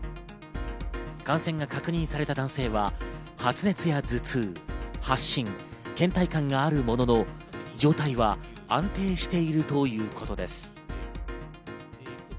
感染が確認された男性は、発熱や頭痛、発疹、倦怠感があるものの、状態は安定しているということです。